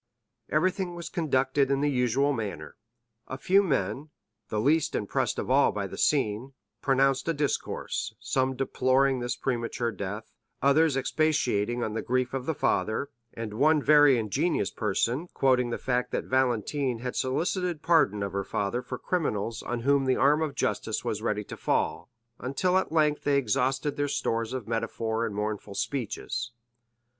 Everything was conducted in the usual manner. A few men, the least impressed of all by the scene, pronounced a discourse, some deploring this premature death, others expatiating on the grief of the father, and one very ingenious person quoting the fact that Valentine had solicited pardon of her father for criminals on whom the arm of justice was ready to fall—until at length they exhausted their stores of metaphor and mournful speeches, elaborate variations on the stanzas of Malherbe to Du Périer.